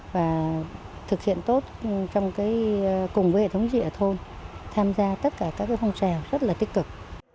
và thực hiện tốt trong cái cùng với hệ thống dịa thôn tham gia tất cả các thông trào rất là tích cực